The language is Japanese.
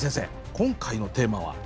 今回のテーマは？